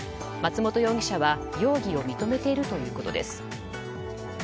松本容疑者は容疑を認めているということです。